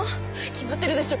決まってるでしょ